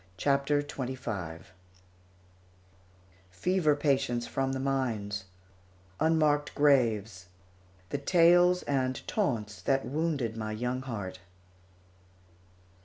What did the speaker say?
CHAPTER XXV FEVER PATIENTS FROM THE MINES UNMARKED GRAVES THE TALES AND TAUNTS THAT WOUNDED MY YOUNG HEART.